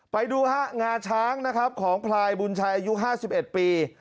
ไปดูห้างงาช้างของพลายบุญชัยอายุ๕๑ปี